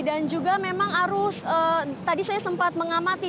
dan juga memang arus tadi saya sempat mengamati